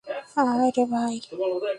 হায়রে, ভাই।